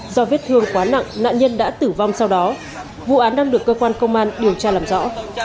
do vết thương quá nặng nạn nhân đã tử vong sau đó vụ án đang được cơ quan công an điều tra làm rõ